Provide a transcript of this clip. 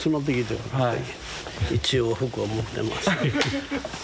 一応服は持ってます。